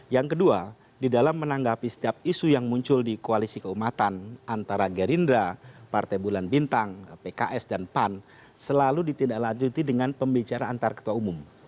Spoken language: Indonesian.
yang kedua di dalam menanggapi setiap isu yang muncul di koalisi keumatan antara gerindra partai bulan bintang pks dan pan selalu ditindaklanjuti dengan pembicara antar ketua umum